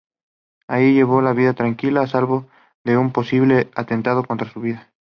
Allí llevó una vida tranquila, a salvo de un posible atentado contra su vida.